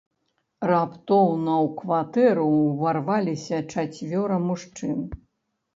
Раптоўна ў кватэру ўварваліся чацвёра мужчын.